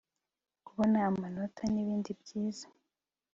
kubona amanota nibindi byiza